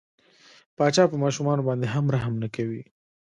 پاچا په ماشومان باندې هم رحم نه کوي.